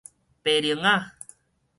菠薐仔